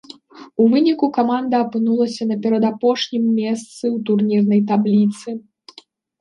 У выніку, каманда апынулася на перадапошнім месцы ў турнірнай табліцы.